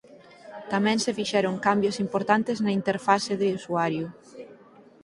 Tamén se fixeron cambios importantes na interface de usuario.